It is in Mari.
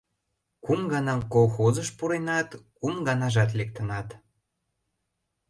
— Кум гана колхозыш пуренат, кум ганажат лектынат.